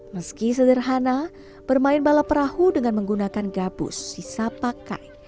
meski sederhana bermain balap perahu dengan menggunakan gabus sisa pakai